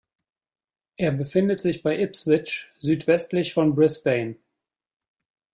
Er befindet sich bei Ipswich südwestlich von Brisbane.